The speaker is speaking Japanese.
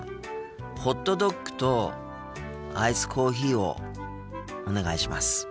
ホットドッグとアイスコーヒーをお願いします。